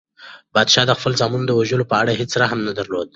پادشاه د خپلو زامنو د وژلو په اړه هیڅ رحم نه درلود.